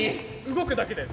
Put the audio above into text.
動くだけで。